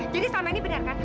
jadi selama ini benar kan